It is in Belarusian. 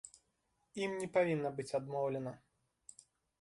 Ім не павінна быць адмоўлена.